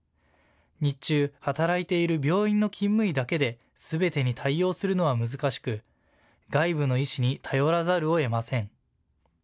日中、働いている病院の勤務医だけですべてに対応するのは難しく外部の医師に頼らざるをえません。